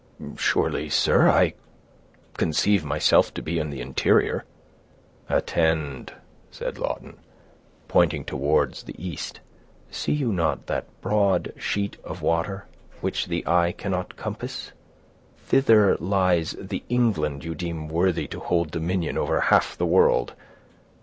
"Surely, sir, I conceive myself to be in the interior." "Attend," said Lawton, pointing towards the east. "See you not that broad sheet of water which the eye cannot compass? Thither lies the England you deem worthy to hold dominion over half the world.